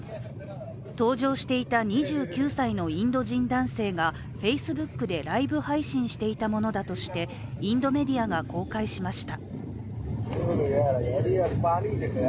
搭乗していた２９歳のインド人男性がＦａｃｅｂｏｏｋでライブ配信していたものだとしてインドメディアが公開しました。